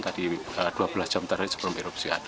tadi dua belas jam tadi sebelum erupsi